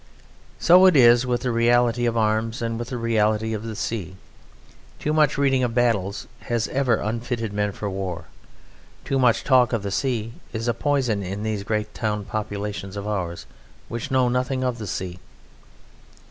So it is with the reality of arms and with the reality of the sea. Too much reading of battles has ever unfitted men for war; too much talk of the sea is a poison in these great town populations of ours which know nothing of the sea.